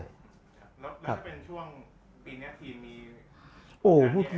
แล้วถ้าเป็นช่วงปีเนี้ยทีมมี